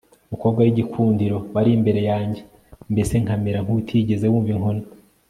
umukobwa wigikundiro wari imbere yanjye mbese nkamera nkutigeze wumva inkoni